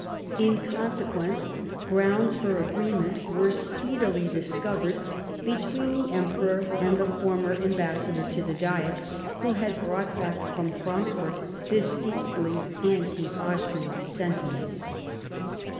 In consequence, grounds for agreement were speedily discovered between the Emperor and the former Ambassador to the Diet, who had brought back from Frankfort distinctly anti Austrian senti ments.